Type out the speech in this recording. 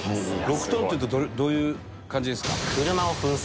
６トンっていうとどういう感じですか？